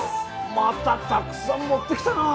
またたくさん持ってきたな。